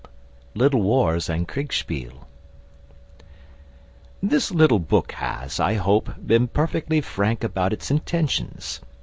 APPENDIX LITTLE WARS AND KRIEGSPIEL THIS little book has, I hope, been perfectly frank about its intentions.